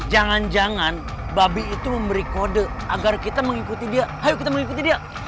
jangan jangan babi itu memberi kode agar kita mengikuti dia